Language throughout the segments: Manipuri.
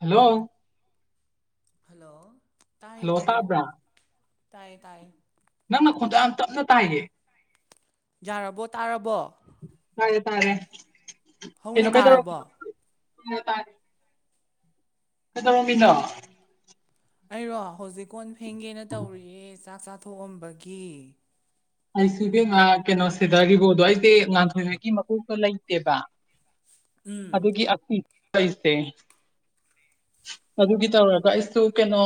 ꯍꯜꯂꯣ ꯍꯜꯂꯣ ꯇꯥꯏ ꯍꯜꯂꯣ ꯍꯥꯏꯔꯛꯑꯣ ꯁꯥꯕ꯭ꯔꯥ ꯇꯥꯏ ꯇꯥꯏ ꯅꯪꯅ ꯈꯣꯟꯗ ꯌꯥꯝ ꯇꯞꯅ ꯇꯥꯏꯌꯦ ꯌꯥꯔꯕꯣ ꯇꯥꯔꯕꯣ ꯇꯥꯔꯦ ꯇꯥꯔꯦ ꯍꯧꯅ ꯀꯩꯅ ꯀꯩ ꯇꯧꯔ ꯇꯥꯔꯕꯣ ꯇꯔ ꯇꯥꯔꯦ ꯀ ꯇꯧꯔꯝꯃꯤꯗꯣ ꯑꯩꯔꯣ ꯍꯧꯖꯤꯛ ꯀꯣꯟ ꯐꯦꯡꯒꯦꯅ ꯇꯧꯔꯤꯌꯦ ꯆꯥꯛ ꯆꯥꯊꯣꯛꯑꯝꯕꯒꯤ ꯑꯩꯁꯤꯕ ꯀꯩꯅꯣꯁꯤꯗꯒꯤꯀꯣꯗꯣ ꯑꯩꯁꯦ ꯉꯥꯟꯊꯣꯏꯉꯀꯤ ꯃꯀꯣꯛꯇꯣ ꯂꯩꯇꯦꯕ ꯎꯝ ꯑꯗꯨꯗꯒꯤ ꯑꯁꯇꯦ ꯑꯗꯨꯒꯤ ꯇꯧꯔꯒ ꯑꯩꯁꯨ ꯀꯩꯅꯣ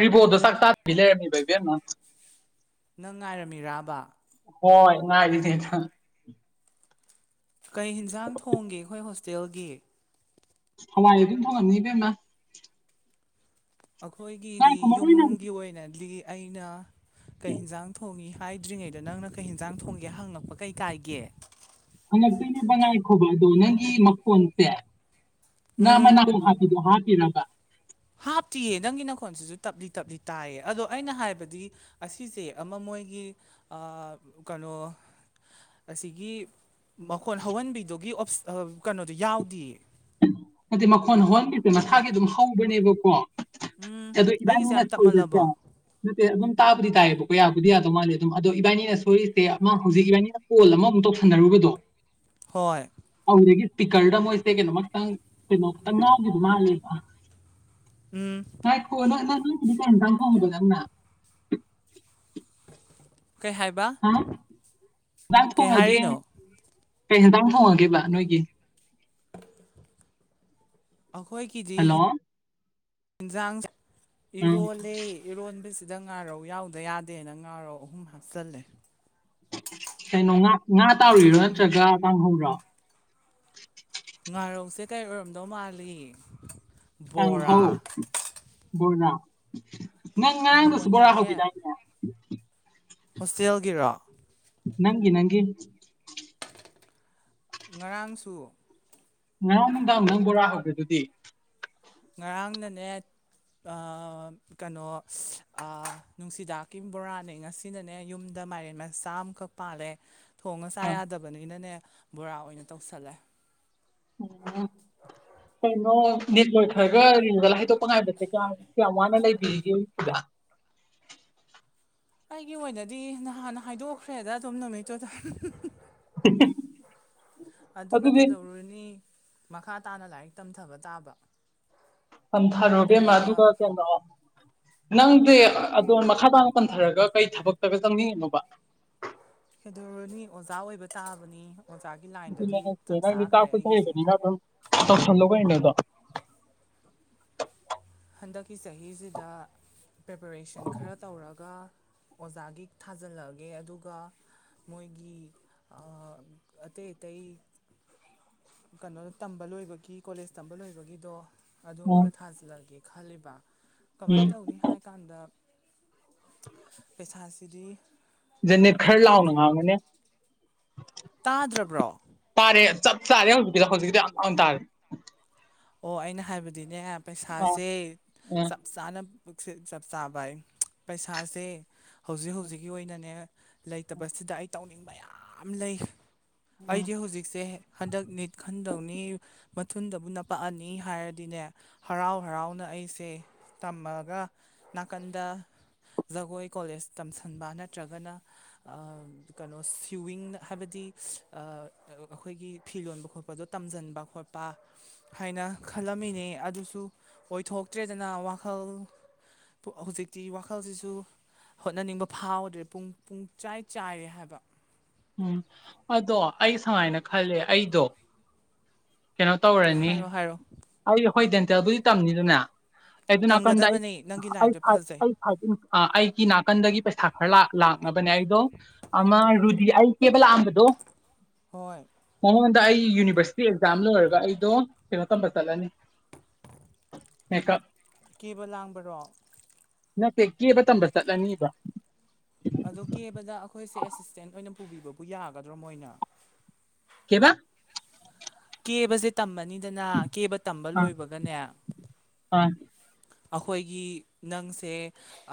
ꯔꯤꯕꯣꯗꯣ ꯆꯥꯛꯇꯥꯥꯗꯕꯤ ꯂꯩꯔꯝꯃꯤ ꯕꯩꯕꯤꯦꯝꯃ ꯅꯪ ꯉꯥꯏꯔꯝꯃꯤꯔꯕ ꯍꯣꯏ ꯉꯥꯏꯗꯤꯅꯦ ꯀꯩ ꯍꯟꯖꯥꯡ ꯊꯣꯡꯒꯦ ꯑꯩꯈꯣꯏ ꯍꯣꯁꯇꯦꯜꯒꯤ ꯍꯋꯥꯏ ꯑꯗꯨ ꯊꯃꯟꯅꯤꯕꯦꯝꯃ ꯑꯩꯈꯣꯏꯒꯤꯗꯤ ꯉꯥꯏꯈꯣ ꯃꯔꯨꯑꯣꯏꯅ ꯌꯨꯝꯒꯤ ꯑꯣꯏꯅꯗꯤ ꯑꯩꯅ ꯀꯩ ꯌꯦꯟꯖꯥꯡ ꯊꯣꯡꯉꯤ ꯍꯥꯏꯗ꯭ꯔꯤꯉꯩꯗ ꯅꯪꯅ ꯀꯩ ꯍꯟꯖꯥꯡ ꯊꯣꯡꯒꯦ ꯍꯪꯉꯛꯄ ꯀꯩ ꯀꯥꯏꯒꯦ ꯍꯪꯉꯛꯇꯣꯏꯅꯦ ꯕꯉꯥꯏꯈꯣꯕ ꯑꯗꯣ ꯅꯪꯒꯤ ꯃꯀꯣꯟꯁꯦ ꯅ ꯎꯝ ꯃꯅꯣ ꯍꯥꯀꯤꯔꯒ ꯍꯥꯞꯇꯤꯌꯦ ꯅꯪꯒꯤ ꯅꯈꯣꯟꯁꯤꯁꯨ ꯇꯞꯂꯤ ꯇꯞꯂꯤ ꯇꯥꯏꯌꯦ ꯑꯗꯣ ꯑꯩꯅ ꯍꯥꯏꯕꯗꯤ ꯑꯁꯤꯁꯦ ꯑꯃ ꯃꯣꯏꯒꯤ ꯀꯩꯅꯣ ꯑꯁꯤꯒꯤ ꯃꯈꯣꯟ ꯍꯧꯍꯟꯕꯤꯗꯨꯒꯤꯞ ꯀꯩꯅꯣꯗꯨꯣ ꯌꯥꯎꯗꯤꯌꯦ ꯍꯥꯏꯗꯤ ꯃꯈꯣꯟ ꯍꯣꯟꯒꯤꯁꯦ ꯃꯁꯥꯒꯤ ꯑꯗꯨꯝ ꯍꯧꯕꯅꯦꯕꯀꯣ ꯎꯝ ꯑꯗꯣ ꯑꯩꯒꯤꯁꯦ ꯌꯥꯝ ꯏꯗꯥꯅꯤꯅꯁꯨ ꯈꯜꯗꯁꯦ ꯇꯞꯃꯜꯂꯕꯣ ꯅꯠꯇꯦ ꯑꯗꯨꯝ ꯇꯥꯕꯨꯗꯤ ꯇꯥꯏꯌꯦꯕꯀꯣ ꯌꯥꯕꯨꯗꯤ ꯌꯥꯗꯧ ꯃꯥꯜꯂꯦ ꯑꯗꯨꯝ ꯑꯗꯣ ꯏꯕꯥꯅꯤꯅ ꯁꯣꯏꯔꯤꯁꯦ ꯑꯃ ꯍꯧꯖꯤꯛ ꯏꯕꯥꯅꯤꯅ ꯀꯣꯜ ꯑꯃꯃꯨꯛ ꯇꯧꯁꯟꯅꯔꯨꯕꯗꯣ ꯍꯣꯏ ꯍꯧꯗꯒꯤ ꯄꯤꯀꯜꯗ ꯃꯣꯏꯁ ꯍꯦꯛꯦ ꯅ ꯃ ꯃꯥ ꯀꯩꯅꯣ ꯇꯝꯒꯗꯨ ꯃꯥꯅꯦꯗ ꯎꯝ ꯣ ꯐꯣꯡꯕꯗ ꯀꯩ ꯍꯥꯏ ꯍꯥ ꯍꯥꯡ ꯊꯣꯡꯉꯒꯦ ꯍꯥꯏꯔꯤꯅꯣ ꯀꯩ ꯍꯦꯟꯇꯥꯡ ꯊꯣꯡꯉꯒꯦꯕ ꯅꯣꯏꯒꯤ ꯑꯩꯈꯣꯏꯒꯤꯗꯤ ꯍꯜꯂꯣ ꯌꯦꯟꯁꯥꯡ ꯎꯝ ꯏꯔꯣꯜꯂ ꯏꯔꯣꯟꯕꯁꯤꯗ ꯉꯥꯔꯧ ꯌꯥꯎꯗ ꯌꯥꯗꯦꯅ ꯉꯥꯔꯧ ꯑꯍꯨꯝ ꯍꯥꯞꯆꯤꯜꯂꯦ ꯀꯩꯅꯣ ꯉꯥ ꯉꯥ ꯇꯥꯔꯤꯔꯣ ꯅꯠꯇ꯭ꯔꯒ ꯇꯥꯡꯍꯧꯔꯣ ꯉꯥꯔꯧꯁꯦ ꯀꯩ ꯑꯣꯏꯔꯝꯗꯧ ꯃꯥꯜꯂꯤ ꯕꯣꯔꯥ ꯀꯥꯡꯍꯧ ꯕꯣꯔꯥ ꯅꯪ ꯉꯔꯥꯡꯗꯁꯨ ꯕꯣꯔꯥ ꯏꯪꯈꯣꯜꯒꯤꯅꯦ ꯍꯈꯤꯗꯥꯏꯅꯦ ꯍꯣꯁꯇꯦꯜꯒꯤꯔ ꯅꯪꯒꯤ ꯅꯪꯒꯤ ꯉꯔꯥꯡꯁꯨ ꯉꯔꯥꯡ ꯅꯨꯡꯗꯥꯡ ꯑꯃꯨꯪ ꯕꯣꯔꯥ ꯍꯧꯒꯦꯗꯨꯗꯤ ꯉꯔꯥꯡꯅꯅꯦ ꯀꯩꯅꯣ ꯅꯨꯡꯁꯤꯗꯥꯛꯀꯤ ꯕꯣꯔꯥꯅꯦ ꯉꯁꯤ ꯁꯤꯅꯅꯦ ꯌꯨꯝꯗ ꯃꯥꯏꯔꯦꯟ ꯃꯆꯥ ꯑꯃꯈꯛ ꯄꯥꯜꯂꯦ ꯊꯣꯡꯉ ꯆꯥ ꯑ ꯌꯥꯗꯕꯅꯤꯅꯅꯦ ꯕꯣꯔꯥ ꯑꯣꯏꯅ ꯇꯧꯁꯜꯂꯦ ꯎꯝ ꯀꯩꯅꯣ ꯅꯦꯠꯋꯣꯏ ꯈꯔꯒ ꯔꯤꯡꯒ ꯍꯥꯏꯗꯣꯛꯄ ꯉꯥꯏꯕꯁꯦ ꯀ ꯀꯌꯥꯝ ꯋꯥꯅ ꯂꯩꯕꯤꯔꯤꯒꯦ ꯍꯧꯖꯤꯛꯗ ꯑꯩꯒꯤ ꯑꯣꯏꯅꯗꯤ ꯅꯍꯥꯟ ꯍꯥꯏꯗꯣꯛꯈ꯭ꯔꯦꯗ ꯑꯗꯨꯝ ꯅꯨꯃꯤꯠꯇꯨꯗ ꯑꯗꯨꯅ ꯑꯗꯨꯗꯤ ꯀꯩꯗꯧꯔꯨꯅꯤ꯫ ꯃꯈꯥ ꯇꯥꯅ ꯂꯥꯏꯔꯤꯛ ꯇꯝꯊꯕ ꯇꯥꯕ ꯄꯝꯊꯔꯣꯕꯦꯝꯃ ꯂꯩꯔꯤꯕ ꯑꯗꯨꯒꯗ ꯀꯩꯅꯩꯅꯣ ꯅꯪꯗꯤ꯫ ꯑꯗꯣ ꯃꯈꯥ ꯇꯥꯅ ꯄꯟꯊꯔꯒ ꯀꯩ ꯊꯕꯛꯇꯒ ꯆꯪꯅꯤꯡꯉꯤꯅꯣꯕ꯫ ꯀꯩꯗꯔꯅꯤ ꯑꯣꯖꯥ ꯑꯣꯏꯕ ꯇꯥꯕꯅꯤ ꯑꯣꯖꯥꯒꯤ ꯑꯗꯨ ꯂꯥꯏꯟꯗꯗꯤ ꯂꯩꯔꯛꯁꯦ ꯆꯞ ꯅꯪꯗꯤ ꯆꯥꯈ꯭ꯔꯦ ꯑꯩꯒꯤꯁꯦ ꯇꯥꯛꯄꯊꯕꯅꯤꯅ ꯑꯗꯨꯝ ꯇꯧꯁꯜꯂꯣ ꯀꯔꯤꯅꯣꯑꯥꯗꯣ꯫ ꯍꯟꯗꯛꯀꯤ ꯆꯍꯤꯁꯤꯗ ꯄ꯭ꯔꯦꯄꯔꯦꯁꯟ ꯈꯔ ꯇꯧꯔꯒ ꯑꯣꯖꯥꯒꯤ ꯊꯥꯖꯤꯜꯂꯛꯑꯒꯦ ꯑꯗꯨꯒ ꯃꯣꯏꯒꯤ ꯑꯇꯩ ꯑꯇꯩ ꯀꯩꯅꯣ ꯇꯝꯕ ꯂꯣꯏꯕꯒꯤ ꯀꯣꯂꯦꯖ ꯇꯝꯕ ꯂꯣꯏꯕꯒꯤꯗꯣ ꯑꯗꯨꯃꯒ ꯎꯝ ꯊꯥꯖꯤꯜꯂꯒꯦ ꯈꯜꯂꯤꯕ ꯎꯝ ꯀꯃꯥꯏꯅ ꯇꯧꯅꯤ ꯍꯥꯏ ꯀꯥꯟꯗ ꯄꯩꯁꯥꯁꯤꯗꯤ ꯖꯅꯤꯠ ꯈꯔ ꯄꯨꯔꯤꯈꯥ ꯂꯥꯎꯅꯉ ꯃꯅꯦ꯫ ꯇꯥꯗ꯭ꯔꯕ꯭ꯔꯣ ꯇꯥꯔꯦ ꯑ ꯆꯞ ꯆꯥꯔꯦ ꯍꯧꯖꯤꯛꯀꯤꯗꯣ ꯍꯧꯖꯤꯛꯀꯤꯗꯣ ꯌꯥꯝ ꯆꯥꯎꯅ ꯇꯥꯔꯦ꯫ ꯑꯣ ꯑꯩꯅ ꯍꯥꯏꯕꯗꯤꯅꯦ ꯑꯥ ꯄꯩꯁꯥꯁꯦ ꯎꯝ ꯆꯞ ꯆꯥꯅ ꯄꯨꯛꯁꯦ ꯆꯞ ꯆꯥꯕꯌꯦꯡ ꯄꯩꯁꯥꯁꯦ ꯍꯧꯖꯤꯛ ꯍꯧꯖꯤꯛꯀꯤ ꯑꯣꯏꯅꯅꯦ ꯂꯩꯇꯕꯁꯤꯗ ꯑꯩ ꯇꯧꯅꯤꯡꯕ ꯌꯥꯝ ꯂꯩ꯫ ꯎꯝ ꯑꯩꯗꯤ ꯍꯧꯖꯤꯛꯁꯦ ꯍꯟꯗꯛ ꯅꯤꯠ ꯈꯟꯗꯧꯅꯤ ꯃꯊꯨꯟꯗꯕꯨ ꯅꯞ ꯑꯅꯤ ꯍꯥꯏꯔꯗꯤꯅꯦ ꯍꯔꯥꯎ ꯍꯔꯥꯎꯅ ꯑꯩꯁꯦ ꯇꯝꯃꯒ ꯅꯥꯀꯟꯗ ꯖꯒꯣꯏ ꯀꯣꯂꯦꯖ ꯇꯝꯁꯟꯕ ꯅꯠꯇ꯭ꯔꯒꯅ ꯑꯥ ꯀꯩꯅꯣ ꯁꯤꯋꯤꯡ ꯍꯥꯏꯕꯗꯤ ꯑ ꯑ-ꯑ-ꯑꯩꯈꯣꯏꯒꯤ ꯐꯤ ꯂꯣꯟꯕ ꯈꯣꯠꯄꯗꯣ ꯇꯝꯖꯟꯕ ꯈꯣꯠꯄ ꯍꯥꯏꯅ ꯈꯜꯂꯝꯃꯤꯅꯦ ꯑꯗꯨꯁꯨ ꯑꯣꯏꯊꯣꯛꯇ꯭ꯔꯦꯗꯅ ꯋꯥꯈꯜ ꯄꯨ ꯍꯧꯖꯤꯛꯇꯤ ꯋꯥꯈꯜꯁꯤꯁꯨ ꯍꯣꯠꯅꯅꯤꯡꯕ ꯐꯥꯎꯗ꯭ꯔꯦ ꯄꯨꯡ ꯄꯨꯡꯆꯥꯏ ꯆꯥꯏꯔꯦ ꯍꯥꯏꯕ꯫ ꯎꯝ ꯑꯗꯣ ꯑꯩ ꯁꯃꯥꯏꯅ ꯈꯜꯂꯦ ꯑꯩꯗꯣ ꯀꯩꯅꯣ ꯇꯧꯔꯅꯤ ꯍꯥꯏꯔꯣ ꯍꯥꯏꯔꯣ ꯑꯩ ꯑꯩꯈꯣꯏ ꯗꯦꯟꯇꯦꯜꯕꯨꯗꯤ ꯇꯝꯅꯤꯗꯅꯦ ꯑꯩꯗꯨ ꯅꯥꯀꯟꯗ ꯑꯩ ꯇꯝꯒꯗꯕꯅꯦ ꯅꯪꯒꯤ ꯂꯥꯏꯟꯗꯣ ꯑꯩ ꯐꯖꯩ ꯁꯥꯏ ꯑꯩ ꯑꯩꯒꯤ ꯅꯥꯀꯟꯗꯒꯤ ꯄꯩꯁꯥ ꯈꯔ ꯂꯥꯛ ꯂꯥꯛꯅꯕꯅꯦ ꯑꯩꯗꯣ ꯑꯃ ꯔꯨꯗꯤ ꯑꯩ ꯀꯦꯕ ꯂꯥꯛꯑꯝꯕꯗꯣ ꯍꯣꯏ ꯃꯉꯣꯟꯗ ꯑꯩ ꯌꯨꯅꯤꯚꯔꯁꯤꯇꯤ ꯑꯦꯛꯖꯥꯝ ꯂꯣꯏꯔꯒ ꯑꯩꯗꯣ ꯀꯩꯅꯣ ꯇꯝꯕ ꯆꯠꯂꯅꯤ ꯃꯦꯛꯀꯞ ꯀꯦꯕ ꯂꯥꯡꯕꯔꯣ꯫ ꯅꯠꯇꯦ ꯀꯦꯕ ꯇꯝꯕ ꯆꯠꯂꯅꯤꯕ꯫ ꯑꯗꯣ ꯀꯦꯕꯗ ꯑꯩꯈꯣꯏꯁꯦ ꯑꯦꯁꯤꯁꯇꯦꯟ ꯑꯣꯏꯅ ꯄꯨꯕꯤꯕꯕꯨ ꯌꯥꯒꯗ꯭ꯔꯣ ꯃꯣꯏꯅ꯫ ꯀꯩꯕꯥ ꯀꯦꯕꯁꯦ ꯇꯝꯃꯅꯤꯗꯅ ꯀꯦꯕ ꯇꯝꯕ ꯑꯥ ꯂꯣꯏꯕꯒꯅꯦ ꯑꯥ ꯑꯩꯈꯣꯏꯒꯤ ꯅꯪꯁꯦ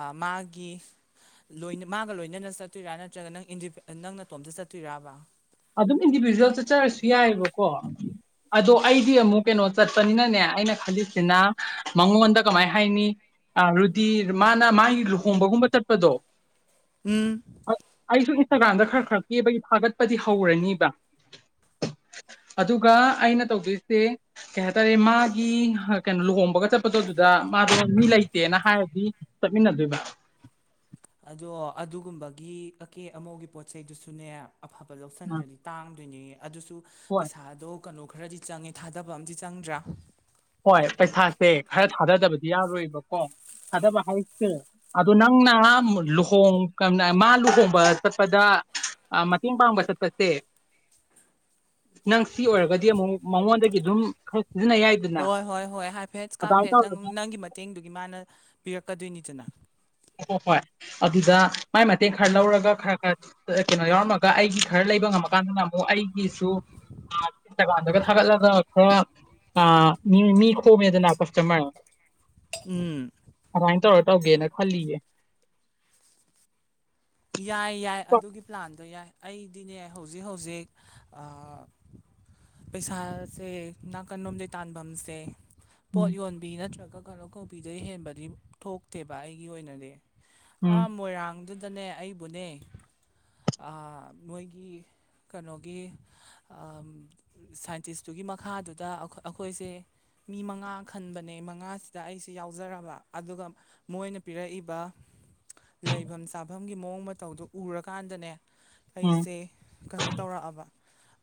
ꯑ ꯃꯥꯒꯤ ꯂꯣꯏꯅ ꯃꯥꯒ ꯂꯣꯏꯅꯅ ꯆꯠꯇꯣꯏꯔꯥ ꯅꯠꯇ꯭ꯔꯒ ꯅꯪ ꯏꯟꯗꯤꯄꯦ ꯅꯪ ꯅꯇꯣꯝꯗ ꯆꯠꯇꯣꯏꯔꯥꯕꯥ꯫ ꯑꯗꯨꯝ ꯏꯟꯗꯤꯕꯤꯖꯨꯋꯦꯜ ꯆꯠꯆꯔꯁꯨ ꯌꯥꯏꯑꯕꯀꯣ꯫ ꯑꯗꯣ ꯑꯩꯗꯤ ꯑꯃꯨꯛ ꯀꯩꯅꯣ ꯆꯠꯄꯅꯤꯅꯅꯦ ꯑꯩꯅ ꯈꯜꯂꯤꯁꯤꯅ ꯃꯉꯣꯟꯗ ꯀꯃꯥꯏ ꯍꯥꯏꯅꯤ꯫ ꯑ ꯔꯨꯗꯤ ꯃꯥꯅ ꯃꯥꯒꯤ ꯂꯨꯍꯣꯡꯕꯒꯨꯝꯕ ꯆꯠꯄꯗꯣ ꯎꯝ ꯑꯩꯁꯨ ꯏꯟꯁꯇꯥꯒ꯭ꯔꯥꯝꯗ ꯈꯔ ꯈꯔ ꯀꯦꯕꯒꯤ ꯊꯥꯒꯠꯄꯗꯤ ꯍꯧꯔꯅꯤꯕ ꯑꯗꯨꯒ ꯑꯩꯅ ꯇꯧꯗꯣꯏꯁꯦ ꯀꯩ ꯍꯥꯏꯇꯥꯔꯦ ꯃꯥꯒꯤ ꯀꯩꯅꯣ ꯂꯨꯍꯣꯡꯕꯒ ꯆꯠꯄꯗꯣ ꯑꯗꯨꯗ ꯃꯥꯗꯣ ꯃꯤ ꯂꯩꯇꯦꯅ ꯍꯥꯏꯔꯗꯤ ꯆꯠꯃꯤꯟꯅꯗꯣꯏꯕ ꯑꯗꯣ ꯑꯗꯨꯒꯨꯝꯕꯒꯤ ꯑꯀꯦ ꯑꯃꯧꯒꯤ ꯄꯣꯠꯆꯩꯗꯨꯁꯨꯅꯦ ꯑꯐꯕ ꯑ ꯂꯧꯁꯟꯗ꯭ꯔꯗꯤ ꯇꯥꯡꯗꯣꯏꯅꯦ ꯑꯗꯨꯁꯨ ꯍꯣꯏ ꯄꯩꯁꯥꯗꯣ ꯀꯩꯅꯣ ꯈꯔꯗꯤ ꯆꯪꯉꯦ ꯊꯥꯗꯕ ꯑꯝꯗꯤ ꯆꯪꯗ꯭ꯔꯥ꯫ ꯍꯣꯏ ꯄꯩꯁꯥꯁꯦ ꯈꯔ ꯊꯥꯗꯗꯕꯗꯤ ꯌꯥꯔꯣꯏꯕꯀꯣ ꯊꯥꯗꯕ ꯍꯥꯏꯁꯦ ꯑꯗꯣ ꯅꯪꯅ ꯂꯨꯍꯣꯡ ꯀ-ꯅ-ꯃꯥ ꯂꯨꯍꯣꯡꯕ ꯆꯠꯄꯗ ꯑ ꯃꯇꯦꯡ ꯄꯥꯡꯕ ꯆꯠꯄꯁꯦ ꯅꯪ ꯁꯤ ꯑꯣꯏꯔꯒꯗꯤ ꯑꯃꯨꯛ ꯃꯉꯣꯟꯗꯒꯤ ꯑꯗꯨꯝ ꯈꯔ ꯁꯤꯖꯤꯟꯅ ꯌꯥꯏ ꯍꯣꯏ ꯍꯣꯏ ꯍꯣꯏ ꯍꯥꯏꯐꯦꯠ ꯀꯥꯐꯦꯠ ꯅꯪ ꯅꯪꯒꯤ ꯃꯇꯦꯡꯗꯨꯒꯤ ꯃꯥꯅ ꯄꯤꯔꯛꯀꯗꯣꯏꯅꯤꯗꯅ꯫ ꯑꯣ ꯍꯣꯏ ꯑꯗꯨꯗ ꯃꯥꯏ ꯃꯇꯦꯡ ꯈꯔ ꯂꯧꯔꯒ ꯈꯔ ꯈꯔ ꯑ ꯀꯩꯅꯣ ꯌꯥꯎꯔꯝꯃꯒ ꯑꯩꯒꯤ ꯈꯔ ꯂꯩꯕ ꯉꯝꯃꯀꯥꯟꯗꯅ ꯑꯃꯨꯛ ꯑꯩꯒꯤꯁꯨ ꯑ ꯏꯟꯁꯇꯥꯒ꯭ꯔꯥꯝꯗꯒ ꯊꯥꯒꯠꯂꯒ ꯈꯔ ꯑ ꯃꯤ ꯃꯤ ꯈꯣꯝꯃꯦꯗꯅ ꯀꯁꯇꯃꯔ ꯎꯝ ꯑꯃꯥꯏꯟ ꯇꯧꯔ ꯇꯧꯒꯦꯅ ꯈꯜꯂꯤꯌꯦ꯫ ꯌꯥꯏ ꯌꯥꯏ ꯑꯗꯨꯒꯤ ꯄ꯭ꯂꯥꯟꯗꯣ ꯌꯥꯏ ꯑꯩꯗꯤꯅꯦ ꯍꯧꯖꯤꯛ ꯍꯧꯖꯤꯛ ꯄꯩꯁꯥꯁꯦ ꯅꯥꯀꯟ ꯂꯣꯝꯗꯩ ꯇꯐꯝꯁꯦ ꯄꯣꯠ ꯎꯝ ꯌꯣꯟꯕꯤ ꯅꯠꯇ꯭ꯔꯒ ꯀꯩꯅꯣ ꯀꯧꯕꯤꯗ ꯍꯦꯟꯕꯗꯤ ꯊꯣꯛꯇꯦꯕ ꯑꯩꯒꯤ ꯑꯣꯏꯅꯗꯤ ꯑ ꯎꯝ ꯃꯣꯏꯔꯥꯡꯗꯨꯗꯅꯦ ꯑꯩꯕꯨꯅꯦ ꯃꯣꯏꯒꯤ ꯀꯩꯅꯣꯒꯤ ꯁꯥꯏꯟꯇꯤꯁꯇꯨꯒꯤ ꯃꯈꯥꯗꯨꯗ ꯑꯩꯈꯣꯏꯁꯦ ꯃꯤ ꯃꯉꯥ ꯈꯟꯕꯅꯦ ꯃꯉꯥꯁꯤꯗ ꯑꯩꯁꯨ ꯌꯥꯎꯖꯔꯕ ꯑꯗꯨꯒ ꯃꯣꯏꯅ ꯄꯤꯔꯛꯏꯕ ꯂꯩꯐꯝ ꯆꯥꯐꯝ ꯅꯪꯒꯤ ꯃꯑꯣꯡ ꯃꯇꯧꯗꯣ ꯎꯔꯀꯥꯟꯗꯅꯦ ꯎꯝ ꯑꯩꯁꯦ ꯀꯩꯅꯣ ꯇꯧꯔꯛꯑꯕ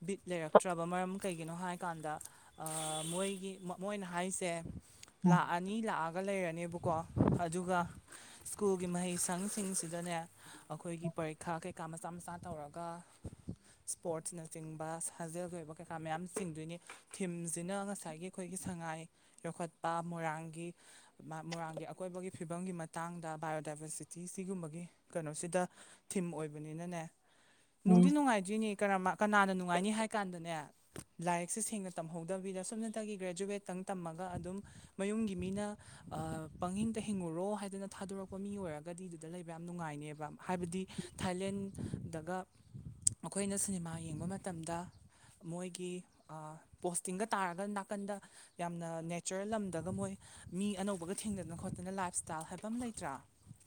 ꯕꯤꯠ ꯂꯩꯔꯛꯇ꯭ꯔꯕ ꯃꯔꯝ ꯀꯩꯒꯤꯅꯣ ꯍꯥꯏꯀꯥꯟꯗ ꯃꯣꯏꯒꯤ ꯃꯣꯏꯅ ꯍꯥꯏꯁꯦ ꯎꯝ ꯂꯥꯛꯑꯅꯤ ꯂꯥꯛꯑꯒ ꯂꯩꯔꯅꯦꯕꯀꯣ ꯑꯗꯨꯒ ꯁ꯭ꯀꯨꯜꯒꯤ ꯃꯍꯩꯁꯪꯁꯤꯡꯁꯤꯗꯅꯦ ꯑꯩꯈꯣꯏꯒꯤ ꯄꯔꯤꯈꯥ ꯀꯩꯀꯥ ꯃꯆꯥ ꯃꯆꯥ ꯇꯧꯔꯒ ꯏꯁꯄꯣꯔꯠꯁꯅꯆꯤꯡꯕ ꯁꯥꯖꯦꯜꯒꯤ ꯑꯣꯏꯕ ꯀꯩꯀꯥ ꯃꯌꯥꯝ ꯆꯤꯡꯗꯣꯏꯅꯤ ꯊꯤꯝꯁꯤꯅ ꯉꯁꯥꯏꯒꯤ ꯑꯩꯈꯣꯏꯒꯤ ꯁꯉꯥꯏ ꯌꯣꯛꯈꯠꯄ ꯃꯣꯏꯔꯥꯡꯒꯤ ꯃꯣꯏꯣꯔꯥꯡꯒꯤ ꯑꯀꯣꯏꯕꯒꯤ ꯐꯤꯕꯝꯒꯤ ꯃꯇꯥꯡꯗ ꯕꯥꯏꯑꯣꯗꯥꯏꯕꯔꯁꯤꯇꯤ ꯁꯤꯒꯨꯝꯕꯒꯤ ꯀꯩꯅꯣꯁꯤꯗ ꯊꯤꯝ ꯑꯣꯏꯕꯅꯤꯅꯅꯦ ꯎꯝ ꯅꯨꯡꯗꯤ ꯅꯨꯡꯉꯥꯏꯇ ꯑꯗꯨꯏꯅꯦ ꯀ ꯀꯅꯥꯅ ꯅꯨꯡꯉꯥꯏꯅꯤ ꯍꯥꯏ ꯀꯥꯟꯗꯅꯦ ꯂꯥꯏꯔꯤꯛꯁꯦ ꯁꯦꯡꯅ ꯇꯝꯍꯧꯗꯕꯤꯗ ꯁꯨꯞꯅꯇꯒꯤ ꯒ꯭ꯔꯦꯖꯨꯋꯦꯠꯇꯪ ꯇꯝꯃꯒ ꯑꯗꯨꯝ ꯃꯌꯨꯝꯒꯤ ꯃꯤꯅ ꯄꯪꯍꯤꯡꯇ ꯍꯤꯡꯉꯨꯔꯣ ꯍꯥꯏꯗꯅ ꯊꯥꯗꯣꯔꯛꯄ ꯃꯤ ꯑꯣꯏꯔꯒꯗꯤ ꯑꯗꯨꯗ ꯂꯩꯕ ꯌꯥꯝ ꯅꯨꯡꯉꯥꯏꯅꯦꯕ ꯍꯥꯏꯕꯗꯤ ꯊꯥꯏꯂꯦꯟꯗꯒ ꯃꯈꯣꯏꯅ ꯁꯤꯅꯦꯃꯥ ꯌꯦꯡꯕ ꯃꯇꯝꯗ ꯃꯣꯏꯒꯤ ꯄꯣꯁꯇꯤꯡꯒ ꯇꯥꯔꯒ ꯅꯥꯀꯟꯗ ꯌꯥꯝꯅ ꯅꯦꯆꯔꯦꯜ ꯂꯝꯗꯒ ꯃꯣꯏ ꯃꯤ ꯑꯅꯧꯕꯒ ꯊꯦꯡꯗꯅ ꯈꯣꯠꯇꯅ ꯂꯥꯏꯐ ꯏꯁꯇꯥꯏꯜ ꯍꯥꯏꯕ ꯑꯃ ꯂꯩꯇ꯭ꯔꯥ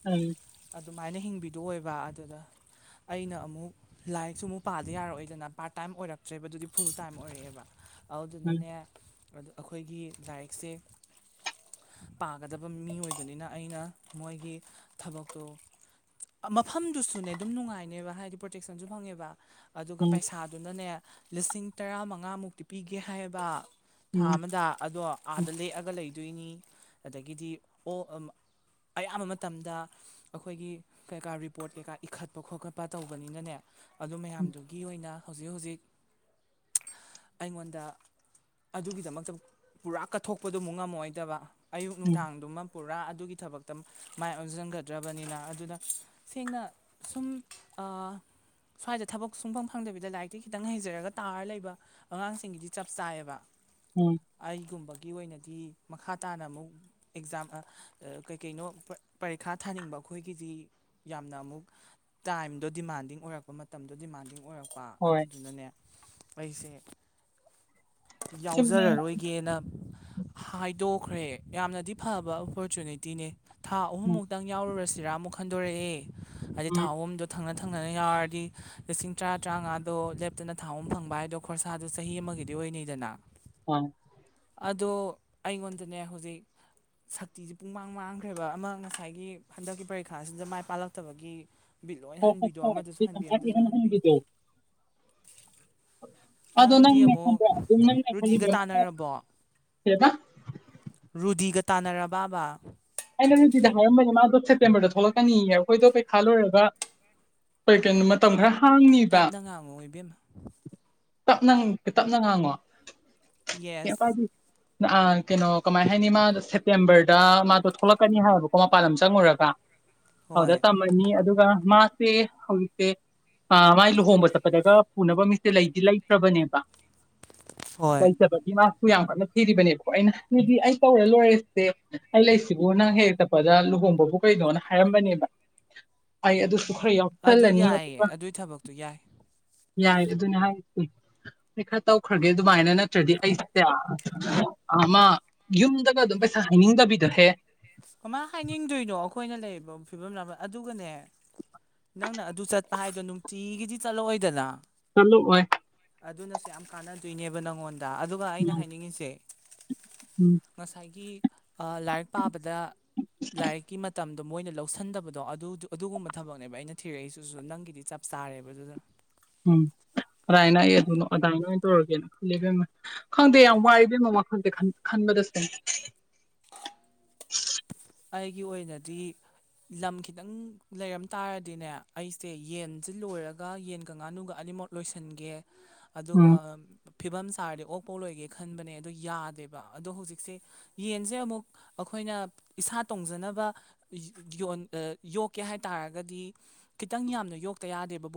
ꯎꯝ ꯑꯗꯨꯃꯥꯏꯅ ꯍꯤꯡꯕꯤꯗꯣ ꯑꯣꯏꯕ ꯑꯗꯨꯗ ꯑꯩꯅ ꯑꯃꯨꯛ ꯂꯥꯏꯔꯤꯛꯁꯨ ꯑꯃꯨꯛ ꯄꯥꯗ ꯌꯥꯔꯛꯑꯣꯏꯗꯅ ꯄꯥꯔꯠ ꯇꯥꯏꯝ ꯑꯣꯏꯔꯛꯇ꯭ꯔꯦꯕ ꯑꯗꯨꯗꯤ ꯐꯨꯜ ꯇꯥꯏꯝ ꯑꯣꯏꯔꯛꯑꯦꯕ ꯎꯝ ꯑꯗꯨꯅꯅꯦ ꯑꯩꯈꯣꯏꯒꯤ ꯂꯥꯏꯔꯤꯛꯁꯦ ꯄꯥꯒꯗꯕ ꯃꯤ ꯑꯣꯏꯕꯅꯤꯅ ꯑꯩꯅ ꯃꯣꯏꯒꯤ ꯊꯕꯛꯇꯣ ꯃꯐꯝꯗꯨꯁꯨꯅꯦ ꯑꯗꯨꯝ ꯅꯨꯡꯉꯥꯏꯅꯦꯕ ꯍꯥꯏꯗꯤ ꯄ꯭ꯔꯣꯇꯦꯛꯁꯟꯁꯨ ꯐꯪꯉꯦꯕ ꯑꯗꯨꯒ ꯎꯝ ꯄꯩꯁꯥ ꯑꯗꯨꯅꯅꯦ ꯂꯤꯁꯤꯡ ꯇꯔꯥ ꯃꯉꯥꯃꯨꯛꯇꯤ ꯄꯤꯒꯦ ꯍꯥꯏꯕ ꯊꯥ ꯎꯝ ꯑꯃꯗ ꯑꯗꯣ ꯎꯝ ꯎꯝ ꯑꯥꯗ ꯂꯦꯛꯑꯒ ꯂꯩꯗꯣꯏꯅꯤ ꯑꯗꯒꯤꯗꯤ ꯑꯣ ꯑꯌꯥꯝꯕ ꯃꯇꯝꯗ ꯑꯩꯈꯣꯏꯒꯤ ꯀꯩꯀꯥ ꯔꯤꯄꯣꯠ ꯀꯩꯀꯥ ꯏꯈꯠꯄ ꯈꯣꯠꯀꯠꯄ ꯇꯧꯕꯅꯤꯅꯅꯦ ꯑꯗꯨ ꯃꯌꯥꯝꯗꯨꯒꯤ ꯑꯣꯏꯅ ꯍꯧꯖꯤꯛ ꯍꯧꯖꯤꯛ ꯑꯩꯉꯣꯟꯗ ꯑꯗꯨꯒꯤꯗꯃꯛꯇ ꯄꯨꯔꯥ ꯀꯠꯊꯣꯛꯄꯗꯨꯃꯨꯛ ꯉꯝꯃꯣꯏꯗꯕ ꯑꯌꯨꯛ ꯎꯝ ꯅꯨꯡꯗꯥꯡꯗꯨꯃ ꯄꯨꯔꯥ ꯑꯗꯨꯒꯤ ꯊꯕꯛꯇ ꯃꯥꯏ ꯑꯣꯟꯁꯤꯟꯒꯗ ꯗ꯭ꯔꯕꯅꯤꯅ ꯑꯗꯨꯅ ꯁꯦꯡꯅ ꯁꯨꯝ ꯁ꯭ꯋꯥꯏꯗ ꯊꯕꯛ ꯁꯨꯡꯐꯝ ꯐꯪꯗꯕꯤꯗ ꯂꯥꯏꯔꯤꯛꯇꯤ ꯈꯤꯇꯪ ꯍꯩꯖꯔꯒ ꯇꯥꯔ ꯂꯩꯕ ꯑꯉꯥꯡꯁꯤꯡꯒꯤꯗꯤ ꯆꯞ ꯆꯥꯏꯌꯦꯕ ꯎꯝ ꯑꯩꯒꯨꯝꯕꯒꯤ ꯑꯣꯏꯅꯗꯤ ꯃꯈꯥ ꯇꯥꯅ ꯑꯃꯨꯛ ꯑꯦꯛꯖꯥꯝ ꯀꯩꯀꯩꯅꯣ ꯄꯔꯤꯈꯥ ꯊꯥꯅꯤꯡꯕ ꯑꯩꯈꯣꯏꯒꯤꯗꯤ ꯌꯥꯝꯅ ꯑꯃꯨꯛ ꯇꯥꯏꯝꯗꯣ ꯗꯤꯃꯥꯟꯗꯤꯡ ꯑꯣꯏꯔꯛꯄ ꯃꯇꯝꯗꯣ ꯗꯤꯃꯥꯟꯗꯤꯡ ꯑꯣꯏꯔꯛꯄ ꯍꯣꯏ ꯑꯗꯨꯗꯨꯅꯅꯦ ꯑꯩꯁꯦ ꯆꯨꯝꯃꯦ ꯌꯥꯎꯖꯔꯔꯣꯏꯒꯦꯅ ꯍꯥꯏꯗꯣꯛꯈ꯭ꯔꯦ ꯌꯥꯝꯅꯗꯤ ꯐꯕ ꯑꯣꯄꯣꯔꯆꯨꯅꯤꯇꯤꯅꯦ ꯊꯥ ꯎꯝ ꯑꯍꯨꯝꯃꯨꯛ ꯈꯤꯇꯪ ꯌꯥꯎꯔꯨꯔꯁꯤꯔꯥ ꯑꯃꯨꯛ ꯈꯟꯗꯣꯔꯛꯑꯦ ꯍꯥꯏꯗꯤ ꯊꯥ ꯎꯝ ꯑꯍꯨꯝꯗ ꯊꯪꯅ ꯊꯪꯅꯅ ꯌꯥꯎꯔꯗꯤ ꯂꯤꯁꯤꯡ ꯇꯔꯥ ꯇꯔꯥꯃꯉꯥꯗꯣ ꯂꯦꯞꯇꯅ ꯊꯥ ꯑ ꯐꯪꯕ ꯍꯥꯏꯗꯣ ꯈꯣꯔꯁꯥꯗꯨ ꯆꯍꯤ ꯑꯃꯒꯤꯗꯤ ꯑꯣꯏꯅꯅꯤꯗꯅ ꯎꯝ ꯑꯗꯣ ꯑꯩꯉꯣꯟꯗꯅꯦ ꯍꯧꯖꯤꯛ ꯁꯛꯇꯤꯖꯦ ꯄꯨꯡ ꯃꯥꯡ ꯃꯥꯡꯈ꯭ꯔꯦꯕ ꯑꯃ ꯉꯁꯥꯏ ꯒꯤ ꯍꯟꯗꯛꯀꯤ ꯄꯔꯤꯈꯥꯁꯤꯗ ꯃꯥꯏ ꯄꯥꯂꯛꯇꯕꯒꯤ ꯕꯤꯠ ꯂꯣꯏ ꯍꯣꯏ ꯍꯣꯏ ꯍꯟꯕꯤꯗꯣ ꯑꯃꯗꯁꯨ ꯍꯟꯕꯤ ꯍꯣꯏ ꯑꯃꯗꯁꯨ ꯏꯍꯟ ꯍꯟꯕꯤ ꯍꯟꯕꯤꯗꯣ ꯑꯗꯣ ꯅꯪꯗꯤ ꯅꯪꯅꯦ ꯑꯃꯨꯛ ꯈꯪꯕ꯭ꯔꯥ ꯑꯗꯨꯝ ꯅꯪꯅ ꯔꯨꯗꯤꯒ ꯈꯜꯂꯤꯕ ꯃꯈꯥ ꯇꯥꯟꯅꯔꯕꯣ ꯀꯩꯕ ꯔꯨꯗꯤꯒ ꯇꯥꯟꯅꯔꯕꯕꯥ ꯑꯩꯅ ꯔꯨꯗꯤꯗ ꯍꯥꯏꯔꯝꯕꯅꯦ ꯃꯥꯗꯣ ꯁꯦꯞꯇꯦꯝꯕꯔꯗ ꯊꯣꯛꯂꯛꯀꯅꯤꯌꯦ ꯑꯩꯈꯣꯏꯗꯣ ꯄꯩꯈꯥ ꯂꯣꯏꯔꯒ ꯍꯣꯏ ꯀꯩꯅꯣ ꯃꯇꯝ ꯈꯔ ꯍꯥꯡꯅꯤꯕ ꯇꯞꯅ ꯉꯥꯡꯉꯨ ꯏꯕꯦꯝꯃ ꯇꯞꯅꯪ ꯇꯞꯅ ꯉꯥꯡꯉꯣ ꯀꯩꯏꯝ ꯌꯦꯁ ꯀꯥꯏꯗꯦ ꯑ ꯀꯩꯅꯣ ꯀꯃꯥꯏ ꯍꯥꯏꯅꯤ ꯃꯥꯗꯣ ꯁꯦꯞꯇꯦꯝꯕꯔꯗ ꯃꯥꯗꯣ ꯊꯣꯛꯂꯛꯀꯅꯤ ꯍꯥꯏꯌꯦꯕꯀꯣ ꯃꯄꯥꯟ ꯂꯝ ꯆꯪꯉꯨꯔꯒ ꯑꯗꯨꯗ ꯍꯣꯏ ꯇꯝ ꯕꯅꯤ ꯑꯗꯨꯒ ꯃꯥꯁꯦ ꯍꯧꯖꯤꯛꯁꯦ ꯑ ꯃꯥꯏ ꯂꯨꯍꯣꯡꯕ ꯆꯠꯄꯗꯒ ꯄꯨꯅꯕ ꯃꯤꯁꯦ ꯂꯩꯗꯤ ꯂꯩꯇ꯭ꯔꯕꯅꯦꯕ ꯍꯣꯏ ꯂꯩꯇꯕꯒꯤ ꯃꯥ ꯁꯨ ꯌꯥꯝ ꯀꯟꯅ ꯊꯤꯔꯤꯕꯅꯦꯕꯀꯣ ꯑꯩꯅ ꯗꯨꯗꯤ ꯑꯩ ꯇꯧꯔ ꯂꯣꯏꯔꯦꯁꯦ ꯑꯩ ꯂꯩ ꯁꯤꯕꯨ ꯅꯪ ꯍꯦꯛ ꯍꯦꯛ ꯆꯞꯄꯗ ꯂꯨꯍꯣꯡꯕꯕꯨ ꯀꯩꯅꯣꯅ ꯍꯥꯏꯔꯝꯕꯅꯦꯕ ꯑꯩ ꯑꯗꯨꯁꯨ ꯈꯔ ꯌꯥꯎ ꯑꯗꯨ ꯌꯥꯏꯌꯦ ꯑꯗꯨꯏ ꯊꯕꯛꯇꯨ ꯌꯥꯏ ꯌꯥꯏ ꯑꯗꯨꯅꯦ ꯍꯥꯏꯁꯦ ꯍꯣꯏ ꯈꯔ ꯇꯧꯈ꯭ꯔꯒꯦ ꯑꯗꯨꯃꯥꯏꯅ ꯅꯠꯇ꯭ꯔꯗꯤ ꯑꯩꯁꯦ ꯑꯃ ꯌꯨꯝꯗꯒ ꯑꯗꯨꯝ ꯄꯩꯁꯥ ꯍꯩꯅꯤꯡꯗꯕꯤꯗꯣ ꯍꯦ ꯀꯃꯥꯏ ꯍꯥꯏꯅꯤꯡꯗꯣꯏꯅꯣ ꯑꯩꯈꯣꯏꯅ ꯂꯩꯔꯤꯕ ꯐꯤꯕꯝ ꯑꯗꯨꯒꯅꯦ ꯅꯪꯅ ꯑꯗꯨ ꯆꯠꯄ ꯍꯥꯏꯗꯣ ꯅꯨꯡꯇꯤꯒꯤꯗꯤ ꯆꯠꯂꯛꯑꯣꯏꯗꯅ ꯆꯠꯂꯛ ꯑꯣꯏ ꯑꯗꯨꯅꯁꯨ ꯌꯥꯝ ꯀꯥꯟꯅꯗꯣꯏꯅꯦꯕ ꯅꯪꯉꯣꯟꯗ ꯑꯗꯨꯒ ꯑꯩꯅ ꯎꯝ ꯍꯥꯏꯅꯤꯡꯉꯤꯁꯦ ꯎꯝ ꯉꯁꯥꯏꯒꯤ ꯂꯥꯏꯔꯤꯛ ꯄꯥꯕꯗ ꯂꯥꯏꯔꯤꯛꯀꯤ ꯃꯇꯝ ꯗꯣ ꯃꯣꯏꯅ ꯂꯧꯁꯟꯗꯕꯗꯣ ꯑꯗꯨ ꯑꯗꯨꯒꯨꯝꯕ ꯊꯕꯛꯅꯦꯕ ꯑꯩꯅ ꯊꯤꯔꯛꯏꯁꯤꯁꯨ ꯅꯪꯒꯤꯗꯤ ꯆꯞ ꯆꯥꯔꯦꯕ ꯑꯗꯨꯅ ꯎꯝ ꯑꯔꯥꯏꯅ ꯑꯩ ꯑꯗꯨꯅ ꯑꯗꯥꯢꯅ ꯑꯣꯏꯅ ꯇꯔꯒꯦꯅ ꯈꯜꯂꯤ ꯏꯕꯦꯝꯃ ꯈꯪꯗꯦ ꯌꯥꯝ ꯋꯥꯏ ꯏꯕꯦꯝꯃ ꯋꯥꯈꯟꯖꯦ ꯈꯟ ꯈꯟꯕꯗꯁꯨ ꯑꯩꯒꯤ ꯑꯣꯏꯅꯗꯤ ꯂꯝ ꯈꯤꯇꯪ ꯂꯩꯔꯝ ꯇꯥꯔꯗꯤꯅꯦ ꯑꯩꯁꯦ ꯌꯦꯟꯁꯦ ꯂꯣꯏꯔꯒ ꯌꯦꯟꯒ ꯉꯥꯅꯨꯒ ꯑꯅꯤꯃꯛ ꯂꯣꯏꯁꯟꯒꯦ [inaudible] ꯑꯗꯨꯒ ꯐꯤꯕꯝ ꯆꯥꯔꯗꯤ ꯑꯣꯛꯐꯧ ꯂꯣꯏꯒꯦ ꯈꯟꯕꯅꯦ ꯑꯗꯣ ꯌꯥꯗꯦꯕ ꯑꯗꯣ ꯍꯧꯖꯤꯛꯁꯦ ꯌꯦꯟꯁꯦ ꯑꯃꯨꯛ ꯑꯩꯈꯣꯏꯅ ꯏꯁꯥ ꯇꯣꯡꯖꯅꯕ ꯌꯣꯟ ꯌꯣꯛꯀꯦ ꯍꯥꯏ ꯇꯥꯔꯒꯗꯤ ꯈꯤꯇꯪ ꯌꯥꯝꯅ ꯌꯣꯛꯇ ꯌꯥꯗꯦꯕ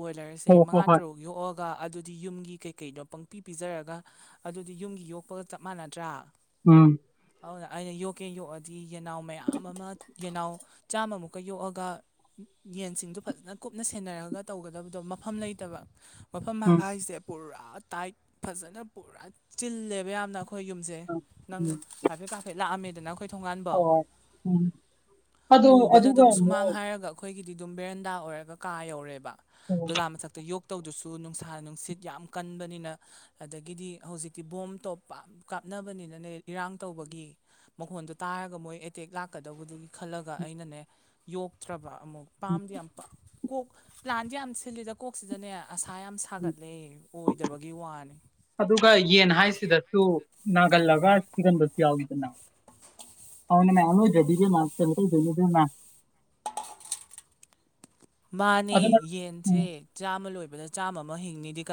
ꯍꯣ ꯕꯣꯏꯂꯔꯁꯦ ꯍꯣ ꯃꯉꯥ ꯍꯣꯏ ꯇꯔꯨꯛ ꯌꯣꯛꯑꯒ ꯒ ꯑꯗꯨꯗꯤ ꯌꯨꯝꯒꯤ ꯀꯩꯀꯩꯗꯣ ꯄꯪꯄꯤ ꯄꯤꯖꯔꯒ ꯑꯗꯨꯗꯤ ꯌꯨꯝꯒꯤ ꯌꯣꯛꯄꯒ ꯆꯞ ꯃꯥꯟꯅꯗ꯭ꯔꯥ ꯎꯝ ꯑꯗꯨꯅ ꯑꯩꯅ ꯌꯣꯛꯀꯦ ꯌꯣꯛꯑꯗꯤ ꯌꯦꯅꯥꯎ ꯃꯌꯥꯝ ꯑꯃ ꯌꯦꯅꯥꯎ ꯆꯥꯝꯃꯃꯨꯛꯀ ꯌꯣꯛꯑꯒ ꯌꯦꯟꯁꯤꯡꯗꯣ ꯐꯖꯅ ꯀꯨꯞꯅ ꯁꯦꯟꯅꯔꯒ ꯇꯧꯒꯗꯕꯗꯣ ꯃꯐꯝ ꯂꯩꯇꯕ ꯃꯐꯝ ꯎꯝ ꯍꯥꯏꯁꯦ ꯄꯨꯔꯥ ꯇꯥꯏꯠ ꯐꯖꯅ ꯄꯨꯔꯥ ꯆꯤꯜꯂꯦꯕ ꯌꯥꯝꯅ ꯑꯩꯈꯣꯏ ꯌꯨꯝ ꯖꯦ ꯎꯝ ꯅꯪ ꯍꯥꯏꯐꯦꯠ ꯀꯐꯦꯠ ꯂꯥꯛꯑꯝꯃꯦꯗꯅ ꯑꯩꯈꯣꯏ ꯊꯣꯡꯒꯥꯟꯐꯧ ꯑꯣ ꯎꯝ ꯑꯗꯣ ꯑꯗꯨꯒꯨ ꯈꯣꯏꯒꯤꯗꯤꯗꯨꯝ ꯕꯦꯔꯟꯗꯥ ꯑꯣꯏꯔꯒ ꯀꯥ ꯌꯧꯔꯦꯕ ꯎꯝ ꯗꯣꯂꯥꯟ ꯃꯊꯛꯇ ꯌꯣꯛ ꯇꯧꯗꯨꯁꯨ ꯅꯨꯡꯁꯥ ꯅꯨꯡꯁꯤꯠ ꯌꯥꯝ ꯀꯟꯕꯅꯤꯅ ꯑꯗꯒꯤꯗꯤ ꯍꯧꯖꯤꯛꯇꯤ ꯕꯣꯝ ꯇꯣꯞ ꯄꯥꯛ ꯀꯥꯞꯅꯕꯅꯤꯅꯅꯦ ꯏꯔꯥꯡ ꯇꯧꯕꯒꯤ ꯃꯈꯣꯟꯁꯨ ꯇꯥꯔꯒ ꯃꯣꯏ ꯑꯦꯇꯦꯛ ꯂꯥꯛꯀꯗꯧꯕꯗꯨꯒꯤ ꯈꯜꯂꯒ ꯑꯩꯅꯅꯦ ꯌꯣꯛꯇ꯭ꯔꯕ ꯑꯃꯨꯛ ꯄꯥꯝꯗꯤ ꯌꯥꯝ ꯀꯣꯛ ꯄ꯭ꯂꯥꯟꯁꯦ ꯌꯥꯝꯅ ꯁꯤꯜꯂꯤꯗ ꯀꯣꯛꯁꯤꯗꯅꯦ ꯑꯁꯥ ꯌꯥꯝ ꯎꯝ ꯊꯥꯒꯠꯂꯦ ꯑꯣꯏꯗꯕꯒꯤ ꯋꯥꯅꯤ ꯑꯗꯨꯒ ꯌꯦꯟ ꯍꯥꯏꯁꯤꯗꯁꯨ ꯅꯥꯒꯜꯂꯒ ꯊꯤꯒꯟꯕꯁꯨ ꯌꯥꯎꯋꯤꯗꯅ ꯅ ꯅꯥꯟꯅ ꯖꯗꯤꯒꯦ ꯃꯥꯥꯛꯦꯕ꯭ꯔ ꯗꯦ ꯃꯥꯅꯦ ꯑꯗꯨꯅ ꯎꯝ ꯌꯦꯟꯁꯦ ꯆꯥꯝꯃ ꯂꯣꯏꯕꯗ ꯆꯥꯝꯃ ꯑꯃ ꯍꯤꯡꯅꯤꯗꯤ ꯀ